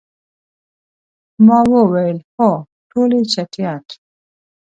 ما وویل، هو، ټولې چټیات.